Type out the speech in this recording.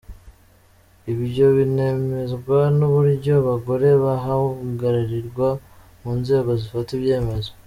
Ibyo binemezwa n’uburyo abagore bahagararirwa mu nzego zifata ibyemezo.